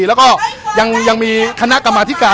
แล้วก็ยังมีคณะกรรมธิการ